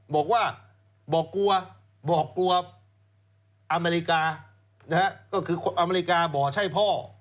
บอกว่าบอกกลัวบอกกลัวอเมริกาก็คืออเมริกาบอกใช่พ่อ